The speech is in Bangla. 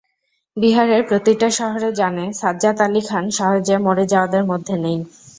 বিহারের প্রতিটা শহর জানে সাজ্জাদ আলী খান সহজে মরে যাওয়াদের মধ্যে নেই।